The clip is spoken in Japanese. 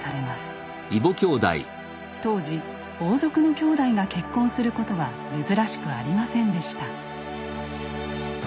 当時王族のきょうだいが結婚することは珍しくありませんでした。